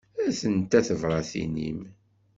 Atent-a tebratin-im.